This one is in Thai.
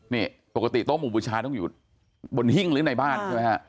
นี่ปกติโต๊หมู่บูชาต้องอยู่บนหิ้งหรือในบ้านใช่ไหมฮะ